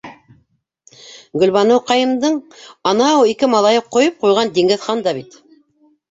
Гөлбаныуҡайымдың анау ике малайы - ҡойоп ҡуйған Диңгеҙхан да бит...